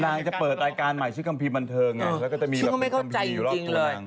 นางจะเปิดรายการใหม่ชื่อคัมภีร์บันเทอร์อย่างนั้น